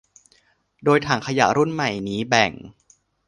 โดยถังขยะรุ่นใหม่นี้แบ่ง